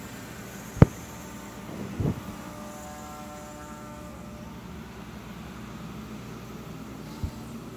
The Pamban Bridge crossing the Pamban channel links Pamban Island with mainland India.